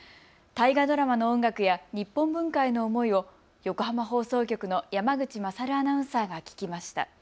大河ドラマの音楽や日本文化への思いを横浜放送局の山口勝アナウンサーが聞きました。